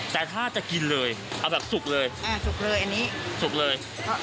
แต่ถ้าจะกินเลยเอาแบบสุกเลยอ่าสุกเลยอันนี้สุกเลย